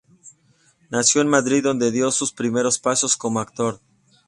Nació en Madrid, donde dio sus primeros pasos como actor.